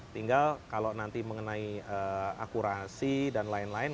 tinggal kalau nanti mengenai akurasi dan lain lain